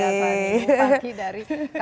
terima kasih banyak